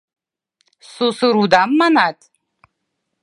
Сусыр удам, манат.